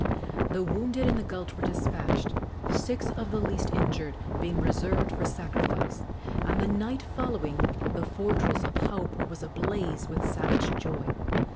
The wounded in the gulch were despatched, six of the least injured being reserved for sacrifice, and the night following the fortress of Haupu was ablaze with savage joy.